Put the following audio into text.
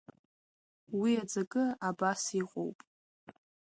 Уи аҵакы абас иҟоуп…